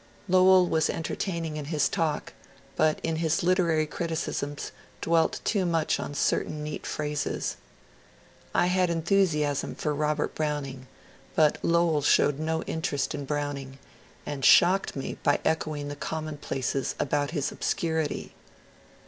Lowell was entertaining in his talk, but in his literary criticisms dwelt too much on certain neat phrases. I had en thusiasm for Robert Browning, but Lowell showed no interest in Browning, and shocked me^ by echoing the commonplaces about his obscurity.